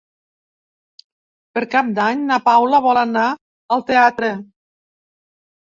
Per Cap d'Any na Paula vol anar al teatre.